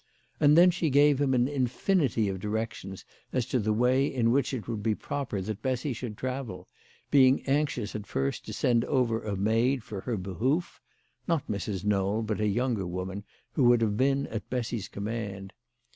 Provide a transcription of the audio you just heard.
And then she gave him an infinity of directions as to the way in which it would be proper that Bessy should travel, being anxious at first to send over a maid for her behoof, not Mrs. Knowl, but a younger woman, who would have been at Bessy's command.